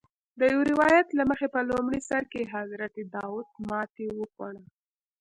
د یو روایت له مخې په لومړي سر کې حضرت داود ماتې وخوړه.